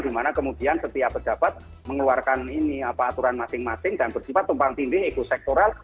dimana kemudian setiap pejabat mengeluarkan aturan masing masing dan bersifat tumpang tindih ekosektoral